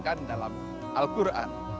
apa yang disampaikan dalam al quran